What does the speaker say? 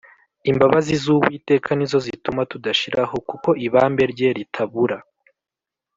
Imbabazi z’Uwiteka ni zo zituma tudashiraho, Kuko ibambe rye ritabura.